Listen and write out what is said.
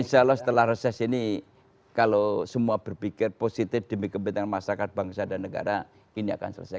insya allah setelah reses ini kalau semua berpikir positif demi kepentingan masyarakat bangsa dan negara ini akan selesai